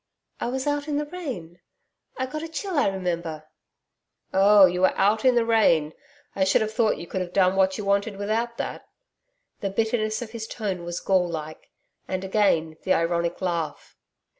'I was out in the rain.... I got a chill I remember.' 'Oh, you were out in the rain!... I should have thought you could have done what you wanted without that.' The bitterness of his tone was gall like. And again the ironic laugh.